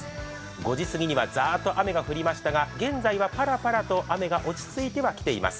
５時すぎにはザーッと雨が降りましたが、現在はパラパラと雨が落ち着いては来ています。